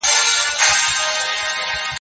داجناسو توليد د خلګو د هوساينې لپاره کېږي.